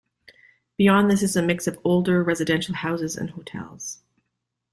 Beyond this is a mix of older residential houses and hotels.